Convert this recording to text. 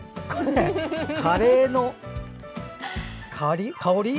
カレーの香り？